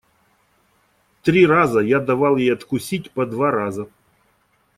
Три раза я давал ей откусить по два раза.